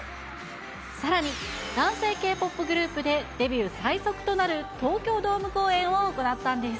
さらに、男性ＫーＰＯＰグループで、デビュー最速となる東京ドーム公演を行ったんです。